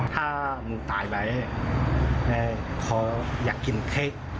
ถ้ามึงตายไว้ขออยากกินพริก